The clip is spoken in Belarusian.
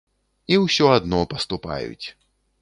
І ўсё адно паступаюць!